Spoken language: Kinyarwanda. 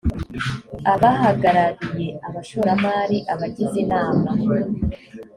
abahagarariye abashoramari abagize inama